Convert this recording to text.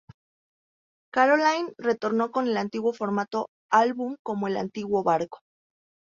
Caroline retorno con el antiguo formato álbum como en el antiguo barco.